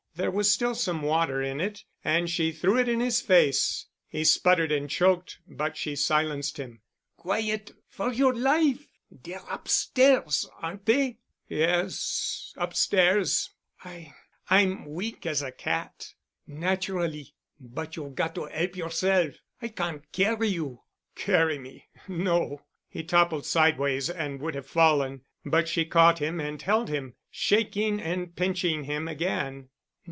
There was still some water in it, and she threw it in his face. He sputtered and choked, but she silenced him. "Quiet—for your life! Dey're upstairs, aren't dey?" "Yes—upstairs. I—I'm weak as a cat." "Naturally, but you've got to 'elp yourself. I can't carry you." "Carry me—no——" He toppled sideways and would have fallen, but she caught him and held him, shaking and pinching him again.